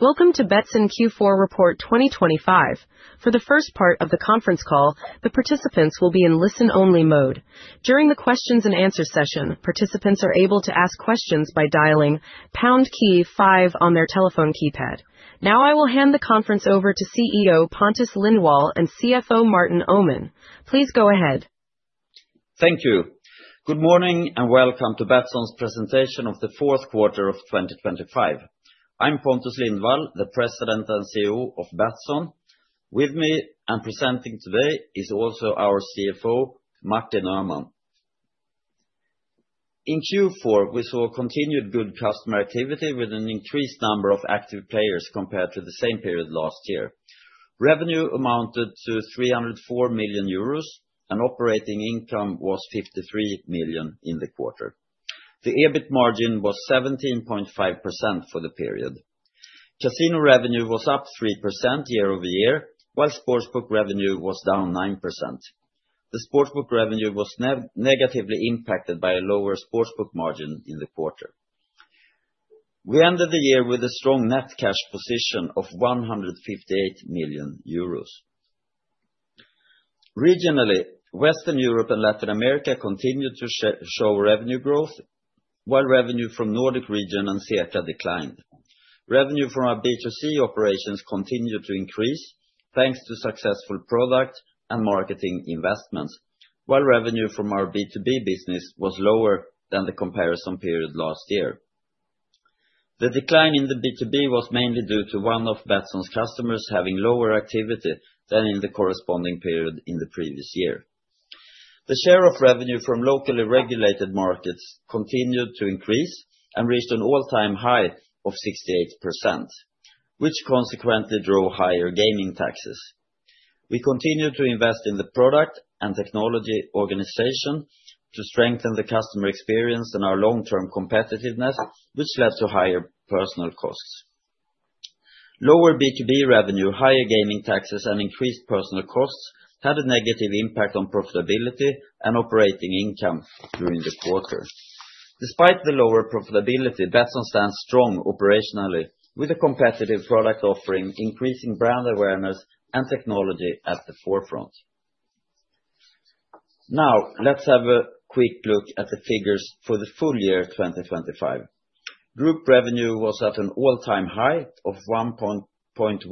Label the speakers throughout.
Speaker 1: Welcome to Betsson Q4 Report 2025. For the first part of the conference call, the participants will be in listen-only mode. During the questions and answer session, participants are able to ask questions by dialing pound key five on their telephone keypad. Now, I will hand the conference over to CEO Pontus Lindwall and CFO Martin Öhman. Please go ahead.
Speaker 2: Thank you. Good morning, and welcome to Betsson's presentation of the fourth quarter of 2025. I'm Pontus Lindwall, the President and CEO of Betsson. With me and presenting today is also our CFO, Martin Öhman. In Q4, we saw continued good customer activity with an increased number of active players compared to the same period last year. Revenue amounted to 304 million euros, and operating income was 53 million in the quarter. The EBIT margin was 17.5% for the period. Casino revenue was up 3% year-over-year, while sportsbook revenue was down 9%. The sportsbook revenue was negatively impacted by a lower sportsbook margin in the quarter. We ended the year with a strong net cash position of 158 million euros. Regionally, Western Europe and Latin America continued to show revenue growth, while revenue from Nordic region and CEECA declined. Revenue from our B2C operations continued to increase, thanks to successful product and marketing investments, while revenue from our B2B business was lower than the comparison period last year. The decline in the B2B was mainly due to one of Betsson's customers having lower activity than in the corresponding period in the previous year. The share of revenue from locally regulated markets continued to increase and reached an all-time high of 68%, which consequently drew higher gaming taxes. We continued to invest in the product and technology organization to strengthen the customer experience and our long-term competitiveness, which led to higher personnel costs. Lower B2B revenue, higher gaming taxes, and increased personnel costs had a negative impact on profitability and operating income during the quarter. Despite the lower profitability, Betsson stands strong operationally, with a competitive product offering, increasing brand awareness, and technology at the forefront. Now, let's have a quick look at the figures for the full year 2025. Group revenue was at an all-time high of 1.197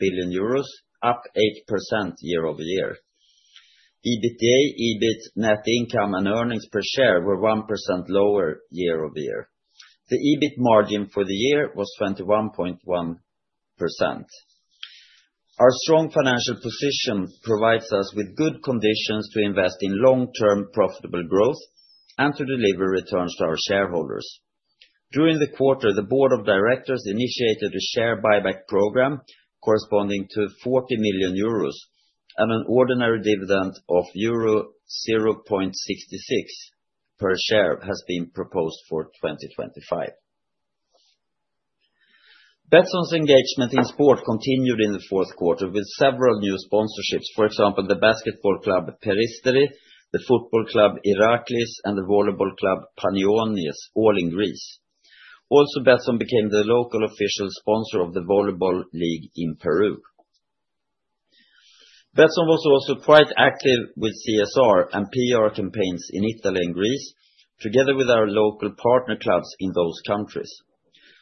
Speaker 2: billion euros, up 8% year-over-year. EBITDA, EBIT, net income, and earnings per share were 1% lower year-over-year. The EBIT margin for the year was 21.1%. Our strong financial position provides us with good conditions to invest in long-term profitable growth and to deliver returns to our shareholders. During the quarter, the board of directors initiated a share buyback program corresponding to 40 million euros and an ordinary dividend of euro 0.66 per share has been proposed for 2025. Betsson's engagement in sport continued in the fourth quarter with several new sponsorships. For example, the basketball club, Peristeri, the football club, Iraklis, and the volleyball club, Panionios, all in Greece. Also, Betsson became the local official sponsor of the volleyball league in Peru. Betsson was also quite active with CSR and PR campaigns in Italy and Greece, together with our local partner clubs in those countries.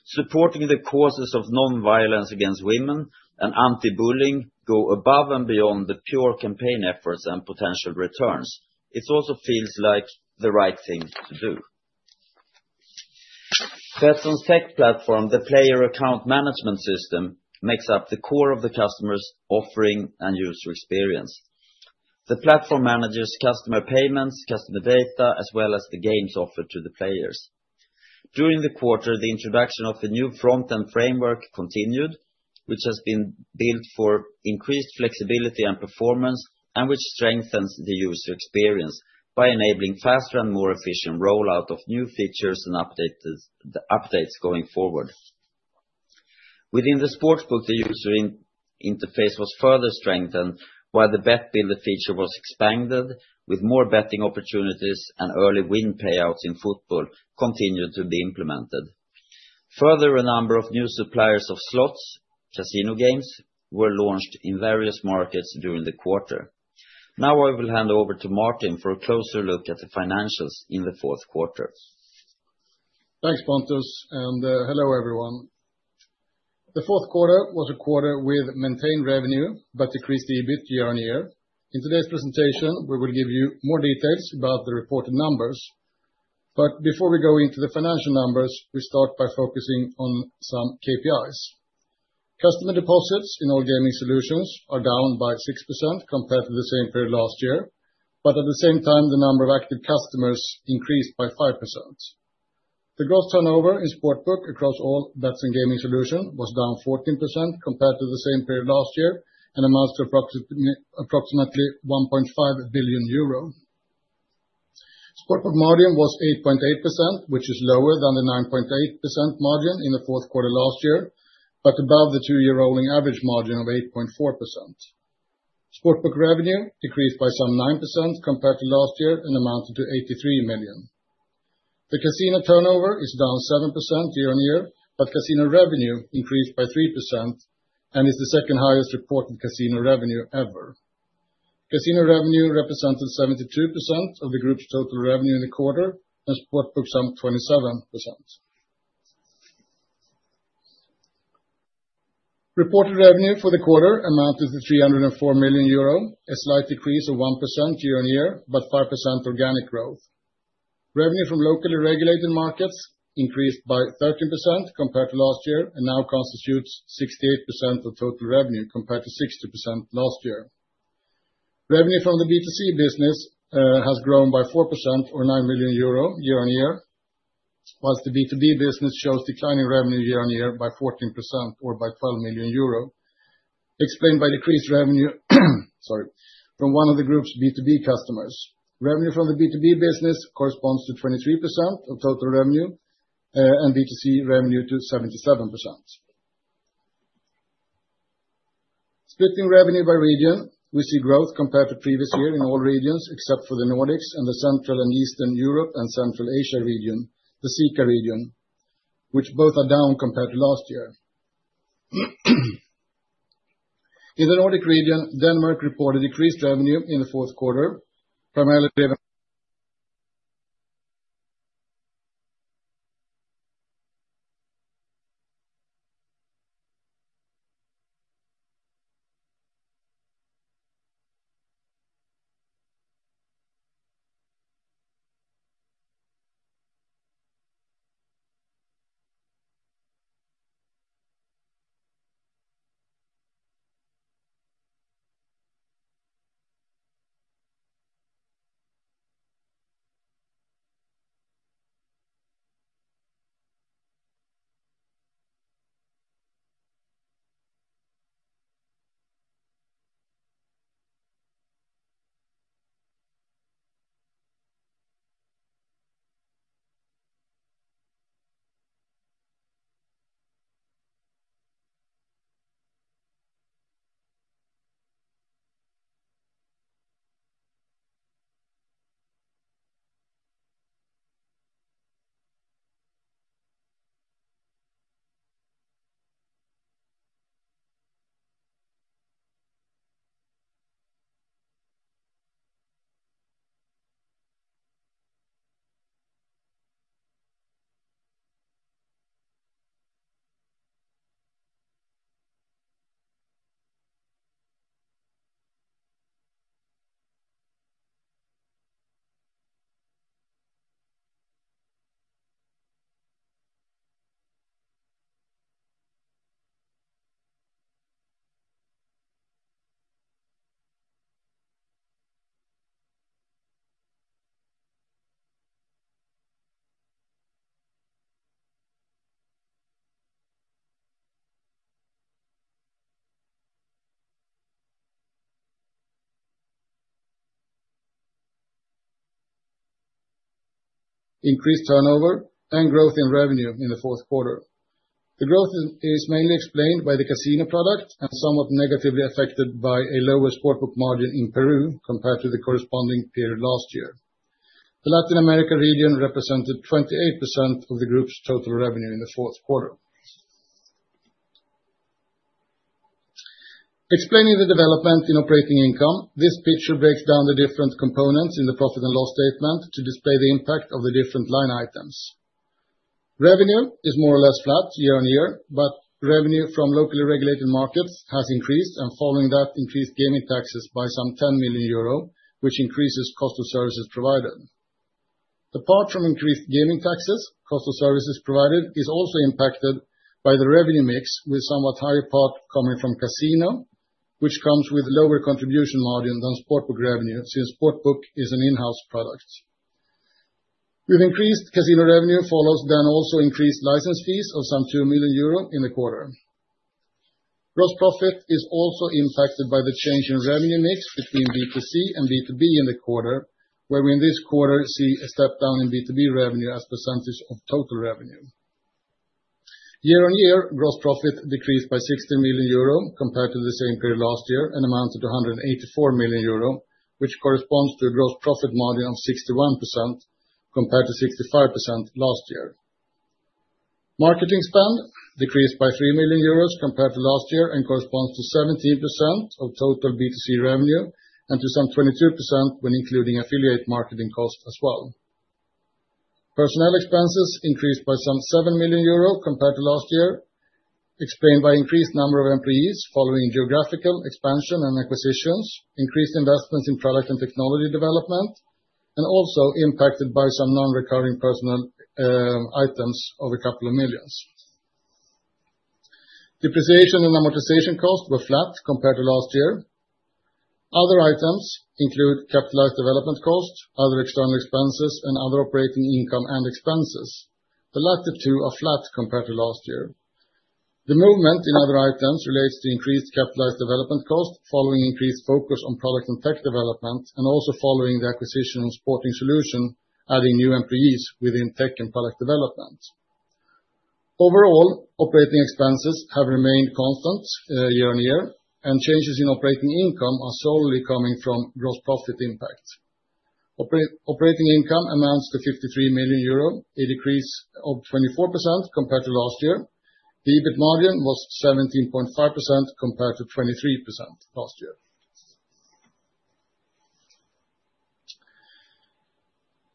Speaker 2: Supporting the causes of nonviolence against women and anti-bullying go above and beyond the pure campaign efforts and potential returns. It also feels like the right thing to do. Betsson's tech platform, the player account management system, makes up the core of the customer's offering and user experience. The platform manages customer payments, customer data, as well as the games offered to the players. During the quarter, the introduction of the new front-end framework continued, which has been built for increased flexibility and performance, and which strengthens the user experience by enabling faster and more efficient rollout of new features and updates going forward. Within the sportsbook, the user interface was further strengthened, while the Bet Builder feature was expanded, with more betting opportunities and early win payouts in football continued to be implemented. Further, a number of new suppliers of slots, casino games, were launched in various markets during the quarter. Now, I will hand over to Martin for a closer look at the financials in the fourth quarter.
Speaker 3: Thanks, Pontus, and hello, everyone. The fourth quarter was a quarter with maintained revenue but decreased EBIT year-on-year. In today's presentation, we will give you more details about the reported numbers. But before we go into the financial numbers, we start by focusing on some KPIs. Customer deposits in all gaming solutions are down by 6% compared to the same period last year, but at the same time, the number of active customers increased by 5%. The gross turnover in sportsbook across all Betsson gaming solutions was down 14% compared to the same period last year, and amounts to approximately one point five billion EUR. Sportsbook margin was 8.8%, which is lower than the 9.8% margin in the fourth quarter last year, but above the two-year rolling average margin of 8.4%....sportsbook revenue decreased by some 9% compared to last year, and amounted to 83 million. The casino turnover is down 7% year-on-year, but casino revenue increased by 3%, and is the second highest reported casino revenue ever. Casino revenue represented 72% of the group's total revenue in the quarter, and sportsbook some 27%. Reported revenue for the quarter amounted to 304 million euro, a slight decrease of 1% year-on-year, but 5% organic growth. Revenue from locally regulated markets increased by 13% compared to last year, and now constitutes 68% of total revenue, compared to 60% last year. Revenue from the B2C business has grown by 4% or 9 million euro year-on-year, while the B2B business shows declining revenue year-on-year by 14% or by 12 million euro, explained by decreased revenue, sorry, from one of the group's B2B customers. Revenue from the B2B business corresponds to 23% of total revenue, and B2C revenue to 77%. Splitting revenue by region, we see growth compared to previous year in all regions, except for the Nordics and the Central and Eastern Europe and Central Asia region, the CEECA region, which both are down compared to last year. In the Nordic region, Denmark reported decreased revenue in the Q4. Increased turnover and growth in revenue in the fourth quarter. The growth is mainly explained by the casino product, and somewhat negatively affected by a lower sportsbook margin in Peru compared to the corresponding period last year. The Latin America region represented 28% of the group's total revenue in the fourth quarter. Explaining the development in operating income, this picture breaks down the different components in the profit and loss statement to display the impact of the different line items. Revenue is more or less flat year-on-year, but revenue from locally regulated markets has increased, and following that, increased gaming taxes by some 10 million euro, which increases cost of services provided. Apart from increased gaming taxes, cost of services provided is also impacted by the revenue mix, with somewhat higher part coming from casino, which comes with lower contribution margin than sportsbook revenue, since sportsbook is an in-house product. With increased casino revenue, follows then also increased license fees of some 2 million euro in the quarter. Gross profit is also impacted by the change in revenue mix between B2C and B2B in the quarter, where in this quarter, we see a step down in B2B revenue as percentage of total revenue. Year-on-year, gross profit decreased by 16 million euro compared to the same period last year, and amounted to 184 million euro, which corresponds to a gross profit margin of 61%, compared to 65% last year. Marketing spend decreased by 3 million euros compared to last year, and corresponds to 17% of total B2C revenue, and to some 22% when including affiliate marketing costs as well. Personnel expenses increased by some 7 million euro compared to last year, explained by increased number of employees following geographical expansion and acquisitions, increased investments in product and technology development, and also impacted by some non-recurring personnel items of a couple of million EUR. Depreciation and amortization costs were flat compared to last year. Other items include capitalized development costs, other external expenses, and other operating income and expenses. The latter two are flat compared to last year. The movement in other items relates to increased capitalized development costs, following increased focus on product and tech development, and also following the acquisition of Sporting Solutions, adding new employees within tech and product development. Overall, operating expenses have remained constant year-on-year, and changes in operating income are solely coming from gross profit impact. Operating income amounts to 53 million euro, a decrease of 24% compared to last year. The EBIT margin was 17.5% compared to 23% last year.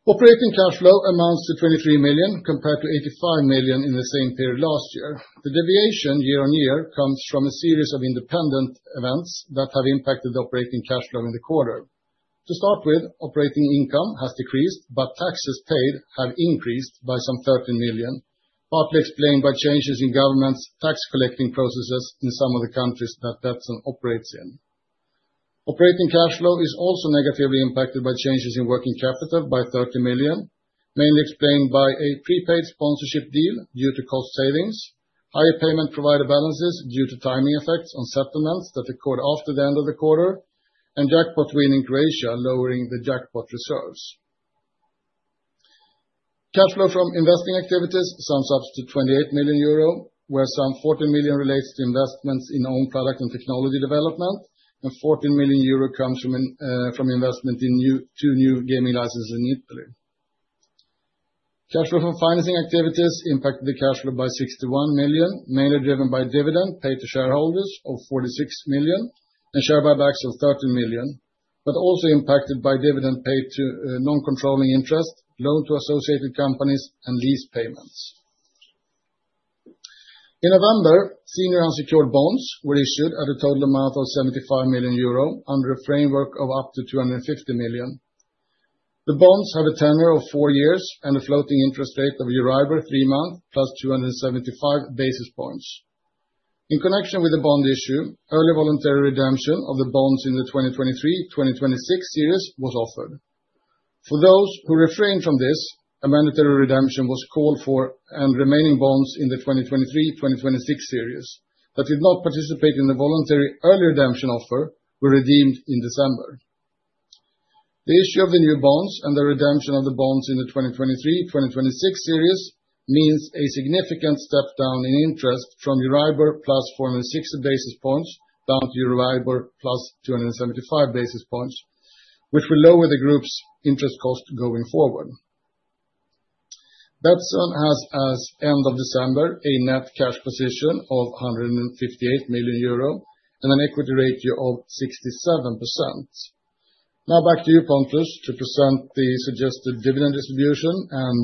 Speaker 3: Operating cash flow amounts to 23 million, compared to 85 million in the same period last year. The deviation year-on-year comes from a series of independent events that have impacted operating cash flow in the quarter. To start with, operating income has decreased, but taxes paid have increased by some 13 million, partly explained by changes in government's tax collecting processes in some of the countries that Betsson operates in. Operating cash flow is also negatively impacted by changes in working capital by 13 million, mainly explained by a prepaid sponsorship deal due to cost savings, higher payment provider balances due to timing effects on settlements that occurred after the end of the quarter, and jackpot win in Croatia, lowering the jackpot reserves. Cash flow from investing activities sums up to 28 million euro, where some 14 million relates to investments in own product and technology development, and 14 million euro comes from investment in two new gaming licenses in Italy. Cash flow from financing activities impacted the cash flow by 61 million, mainly driven by dividend paid to shareholders of 46 million and share buybacks of 13 million, but also impacted by dividend paid to non-controlling interests, loan to associated companies, and lease payments. In November, senior unsecured bonds were issued at a total amount of 75 million euro, under a framework of up to 250 million. The bonds have a tenure of four years and a floating interest rate of Euribor 3-month, plus 275 basis points. In connection with the bond issue, early voluntary redemption of the bonds in the 2023/2026 series was offered. For those who refrained from this, a mandatory redemption was called for, and remaining bonds in the 2023/2026 series that did not participate in the voluntary early redemption offer were redeemed in December. The issue of the new bonds and the redemption of the bonds in the 2023/2026 series means a significant step down in interest from Euribor plus 460 basis points, down to Euribor plus 275 basis points, which will lower the group's interest cost going forward. Betsson has, as end of December, a net cash position of 158 million euro and an equity ratio of 67%. Now back to you, Pontus, to present the suggested dividend distribution and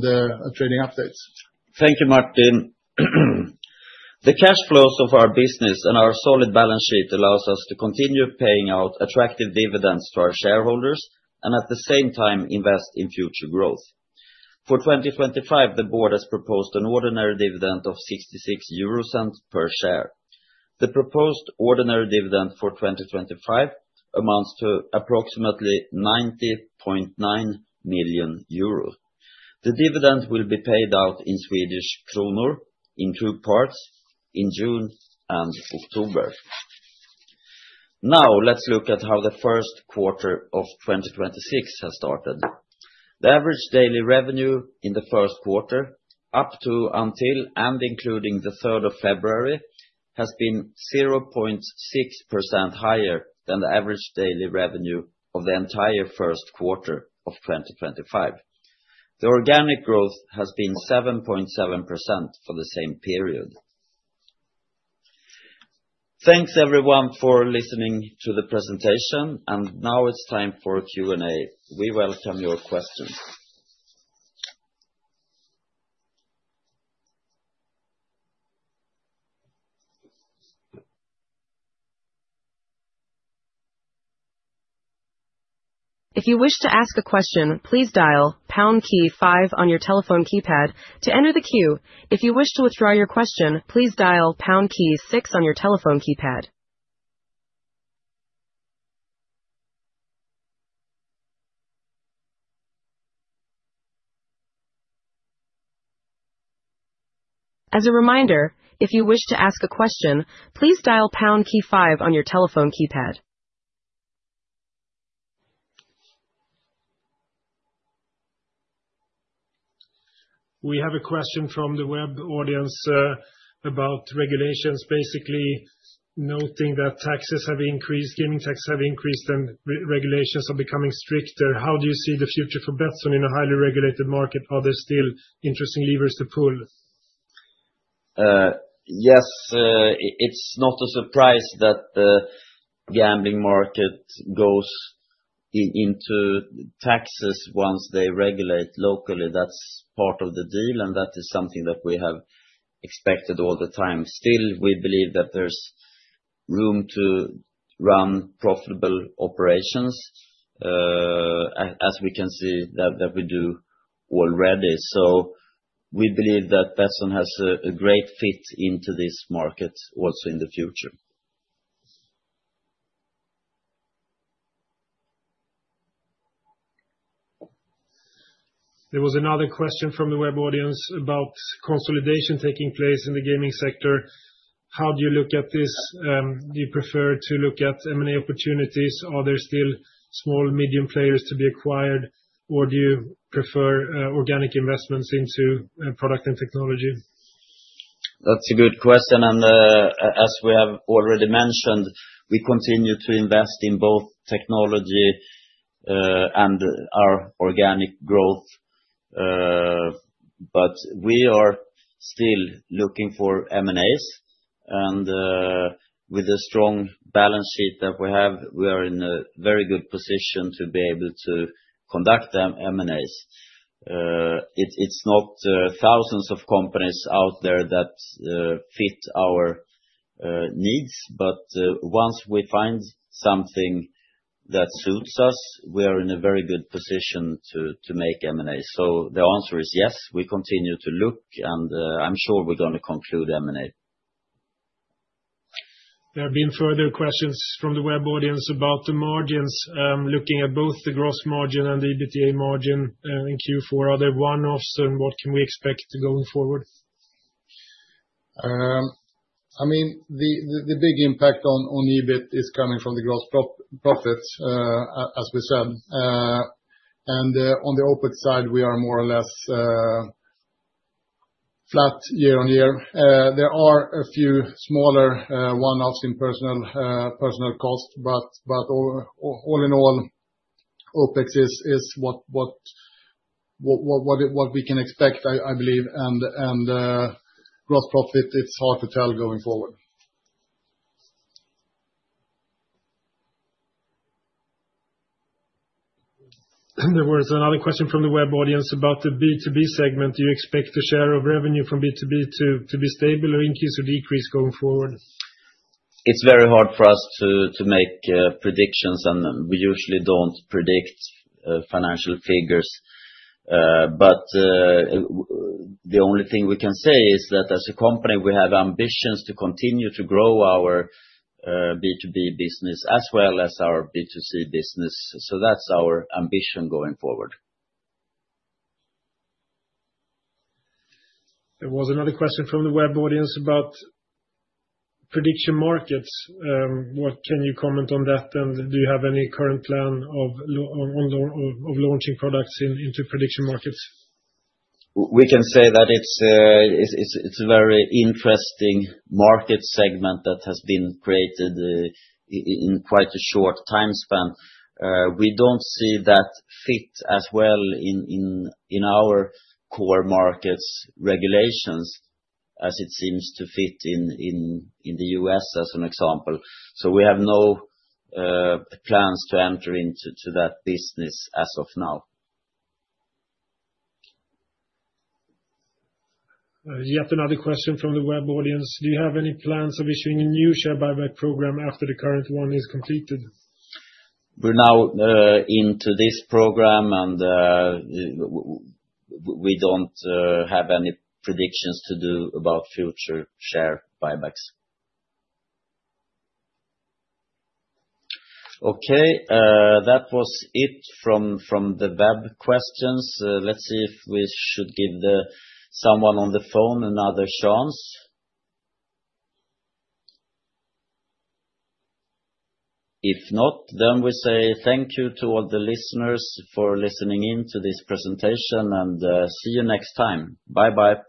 Speaker 3: trading updates.
Speaker 2: Thank you, Martin. The cash flows of our business and our solid balance sheet allows us to continue paying out attractive dividends to our shareholders, and at the same time, invest in future growth. For 2025, the board has proposed an ordinary dividend of 0.66 per share. The proposed ordinary dividend for 2025 amounts to approximately 90.9 million euros. The dividend will be paid out in Swedish kronor in two parts, in June and October. Now, let's look at how the first quarter of 2026 has started. The average daily revenue in the first quarter, up to until and including the third of February, has been 0.6% higher than the average daily revenue of the entire first quarter of 2025. The organic growth has been 7.7% for the same period. Thanks, everyone, for listening to the presentation, and now it's time for Q&A. We welcome your questions.
Speaker 1: If you wish to ask a question, please dial pound key five on your telephone keypad to enter the queue. If you wish to withdraw your question, please dial pound key six on your telephone keypad. As a reminder, if you wish to ask a question, please dial pound key five on your telephone keypad.
Speaker 4: We have a question from the web audience about regulations, basically noting that taxes have increased, gaming taxes have increased, and regulations are becoming stricter. How do you see the future for Betsson in a highly regulated market? Are there still interesting levers to pull?
Speaker 2: Yes, it's not a surprise that the gambling market goes into taxes once they regulate locally. That's part of the deal, and that is something that we have expected all the time. Still, we believe that there's room to run profitable operations, as we can see that we do already. So we believe that Betsson has a great fit into this market, also in the future.
Speaker 4: There was another question from the web audience about consolidation taking place in the gaming sector. ...How do you look at this? Do you prefer to look at M&A opportunities? Are there still small, medium players to be acquired, or do you prefer organic investments into product and technology?
Speaker 2: That's a good question, and, as we have already mentioned, we continue to invest in both technology, and our organic growth. But we are still looking for M&As, and, with a strong balance sheet that we have, we are in a very good position to be able to conduct the M&As. It's not thousands of companies out there that fit our needs, but, once we find something that suits us, we are in a very good position to make M&A. So the answer is yes, we continue to look, and, I'm sure we're gonna conclude M&A.
Speaker 4: There have been further questions from the web audience about the margins. Looking at both the gross margin and the EBITDA margin, in Q4, are there one-offs, and what can we expect going forward?
Speaker 3: I mean, the big impact on the EBIT is coming from the gross profits, as we said. And on the OpEx side, we are more or less flat year-on-year. There are a few smaller one-offs in personnel costs, but overall, all in all, OpEx is what we can expect, I believe, and gross profit, it's hard to tell going forward.
Speaker 4: There was another question from the web audience about the B2B segment. Do you expect the share of revenue from B2B to be stable or increase or decrease going forward?
Speaker 2: It's very hard for us to make predictions, and we usually don't predict financial figures. But the only thing we can say is that as a company, we have ambitions to continue to grow our B2B business as well as our B2C business. So that's our ambition going forward.
Speaker 4: There was another question from the web audience about prediction markets. Can you comment on that, and do you have any current plan on launching products into prediction markets?
Speaker 2: We can say that it's a very interesting market segment that has been created in quite a short time span. We don't see that fit as well in our core markets regulations as it seems to fit in the U.S., as an example. So we have no plans to enter into that business as of now.
Speaker 4: Yet another question from the web audience: Do you have any plans of issuing a new share buyback program after the current one is completed?
Speaker 2: We're now into this program, and we don't have any predictions to do about future share buybacks. Okay, that was it from the web questions. Let's see if we should give the... someone on the phone another chance. If not, then we say thank you to all the listeners for listening in to this presentation, and see you next time. Bye-bye!